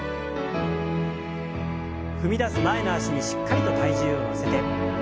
踏み出す前の脚にしっかりと体重を乗せて。